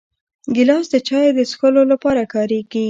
ګیلاس د چایو د څښلو لپاره کارېږي.